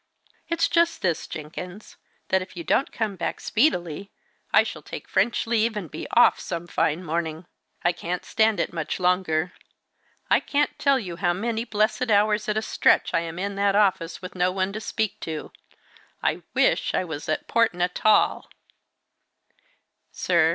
"It's just this, Jenkins, that if you don't come back speedily, I shall take French leave, and be off some fine morning. I can't stand it much longer. I can't tell you how many blessed hours at a stretch am I in that office with no one to speak to. I wish I was at Port Natal!"